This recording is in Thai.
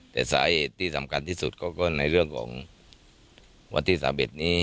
แต่สาเหตุที่สำคัญที่สุดก็ในเรื่องของวันที่๓๑นี้